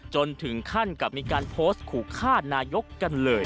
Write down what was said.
จนถึงขั้นกับมีการโพสต์ขู่ฆ่านายกกันเลย